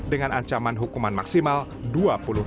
dengan ancaman hukuman maksimal dua puluh tahun